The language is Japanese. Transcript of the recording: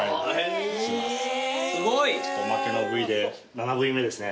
すごい。おまけの部位で７部位目ですね。